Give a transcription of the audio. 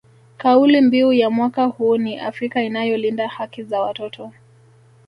Kauli mbiu ya mwaka huu ni Afrika inayolinda haki za watoto